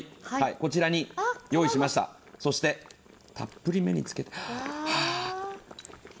こちらに用意しました、そしてたっぷりめにつけて。